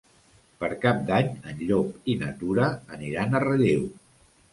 Per Cap d'Any en Llop i na Tura aniran a Relleu.